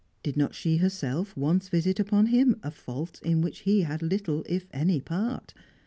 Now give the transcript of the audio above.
Did not she herself once visit upon him a fault in which he had little if any part?